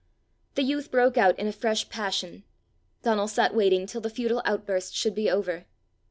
The youth broke out in a fresh passion. Donal sat waiting till the futile outburst should be over.